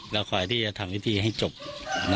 รอคอยที่จะทำวิธีให้จบเนอะ